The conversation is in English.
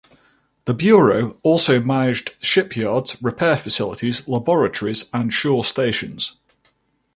The bureau also managed shipyards, repair facilities, laboratories, and shore stations.